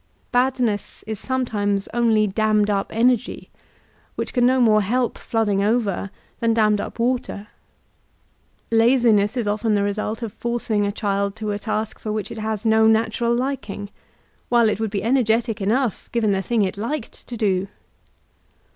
Badness is sometimes only dammed up energy, which can no more help flooding over than dammed up water. Laziness is often the result of forcing a child to a task for which it has no natural liking, while it would be energetic enough, given the thing it liked to do.